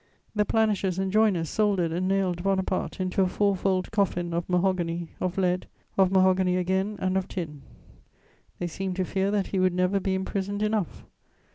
The planishers and joiners soldered and nailed Bonaparte into a four fold coffin of mahogany, of lead, of mahogany again, and of tin: they seemed to fear that he would never be imprisoned enough.